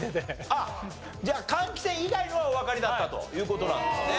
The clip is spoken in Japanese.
あっじゃあ換気扇以外のはおわかりだったという事なんですね。